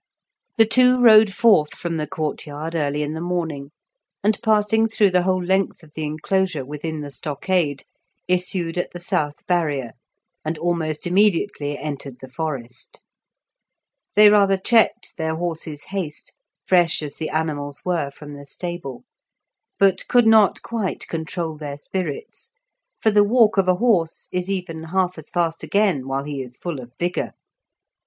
The two rode forth from the courtyard early in the morning, and passing through the whole length of the enclosure within the stockade, issued at the South Barrier and almost immediately entered the forest. They rather checked their horses' haste, fresh as the animals were from the stable, but could not quite control their spirits, for the walk of a horse is even half as fast again while he is full of vigour.